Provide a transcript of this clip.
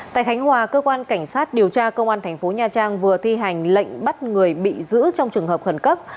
tại khánh hòa cơ quan cảnh sát điều tra công an thành phố nha trang vừa thi hành lệnh bắt người bị giữ trong trường hợp khẩn cấp